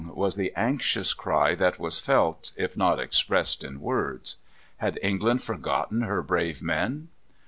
was the anxious cry that was felt, if not expressed in words. Had England forgotten her brave men?